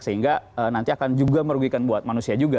sehingga nanti akan juga merugikan buat manusia juga